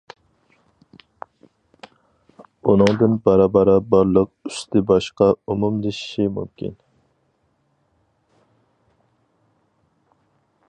ئۇنىڭدىن بارا بارا بارلىق ئۈستى باشقا ئومۇملىشىشى مۇمكىن.